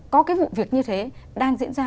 có vụ việc như thế đang diễn ra